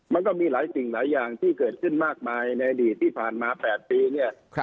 มันก็มีหลายสิ่งหลายอย่างที่เกิดขึ้นมากมายในอดีตที่ผ่านมา๘ปีเนี่ย